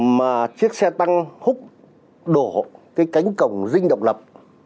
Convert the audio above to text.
mà chiếc xe tăng hút đổ cái cánh cổng dinh độc lập